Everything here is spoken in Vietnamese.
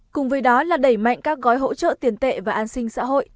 cùng với đó là đẩy mạnh các gói hỗ trợ tiền tệ và an sinh xã hội